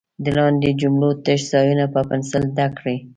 د لاندې جملو تش ځایونه په پنسل ډک کړئ.